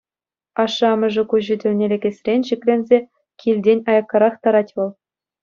Ашшӗ-амӑшӗ куҫӗ тӗлне лекесрен шикленсе килтен аяккарах тарать вӑл.